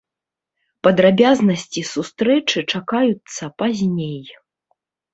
Падрабязнасці сустрэчы чакаюцца пазней.